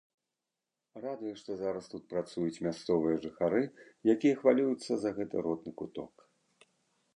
Радуе, што зараз тут працуюць мясцовыя жыхары, якія хвалююцца за гэты родны куток.